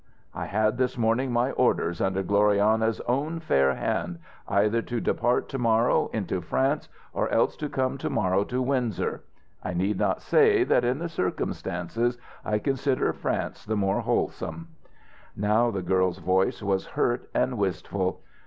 "I had this morning my orders, under Glorianna's own fair hand, either to depart to morrow into France or else to come to morrow to Windsor. I need not say that in the circumstances I consider France the more wholesome." Now the girl's voice was hurt and wistful.